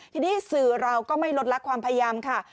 ทีนี้สื่อเราก็ไม่ลดลักความพยายามค่ะ